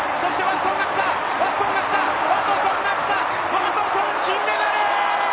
ワトソン、金メダル！